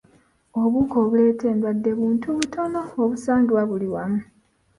Obuwuka obuleeta endwadde buntu butono obusangibwa buli wamu.